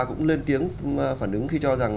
cũng lên tiếng phản ứng khi cho rằng